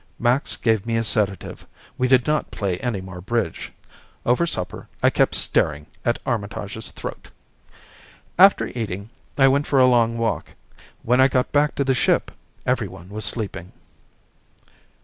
Max gave me a sedative. We did not play any more bridge. Over supper I kept staring at Armitage's throat. After eating, I went for a long walk. When I got back to the ship, everyone was sleeping.